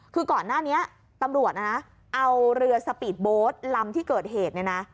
คือก่อนหน้านี้ตำรวจนะนะเอาเรือสปีดโบสต์ลำที่เกิดเหตุเนี่ยนะ